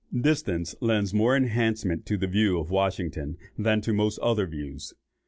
Distance lends more enchantment to a view of Washington than to most other views.